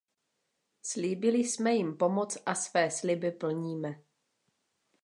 Slíbili jsme jim pomoc a své sliby plníme.